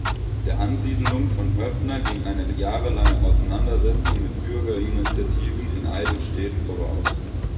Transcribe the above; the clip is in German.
Der Ansiedelung von Höffner ging eine jahrelange Auseinandersetzung mit Bürgerinitiativen in Eidelstedt voraus.